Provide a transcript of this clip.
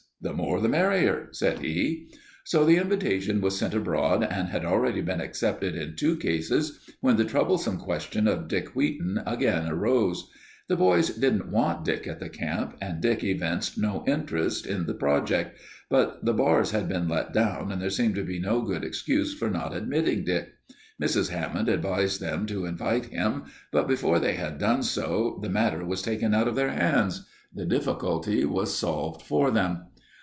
"The more the merrier," said he. So the invitation was sent abroad and had already been accepted in two cases when the troublesome question of Dick Wheaton again arose. The boys didn't want Dick at the camp, and Dick evinced no interest in the project, but the bars had been let down and there seemed to be no good excuse for not admitting Dick. Mrs. Hammond advised them to invite him, but before they had done so, the matter was taken out of their hands; the difficulty was solved for them.